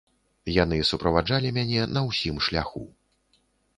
Яны суправаджалі мяне на ўсім шляху.